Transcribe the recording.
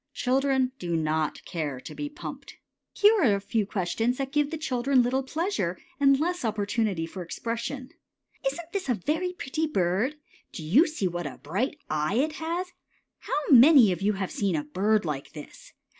Children do not care to be pumped. Here are a few questions that give the children little pleasure and less opportunity for expression: Isn't this a very pretty bird? Do you see what a bright eye it has? How many of you have seen a bird like this?